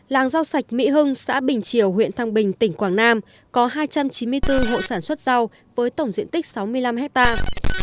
làng rau sạch mỹ hưng xã bình triều huyện thăng bình tỉnh quảng nam có hai trăm chín mươi bốn hộ sản xuất rau với tổng diện tích sáu mươi năm hectare